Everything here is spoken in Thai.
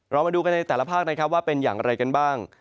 เรามาดูกันในแต่ละภาคนะครับว่าเป็นอย่างไรกันบ้าง